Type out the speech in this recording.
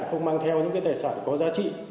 không mang theo những tài sản có giá trị